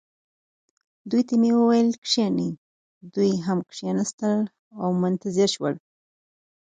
دوی ته مې وویل: کښینئ. دوی هم کښېنستل او منتظر شول.